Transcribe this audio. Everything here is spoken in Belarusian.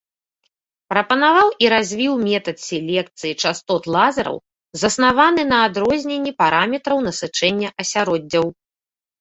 Прапанаваў і развіў метад селекцыі частот лазераў, заснаваны на адрозненні параметраў насычэння асяроддзяў.